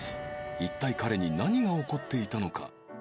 いったい彼に何が起こっていたのか？